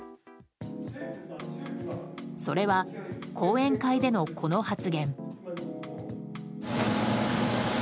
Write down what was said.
それは、講演会でのこの発言。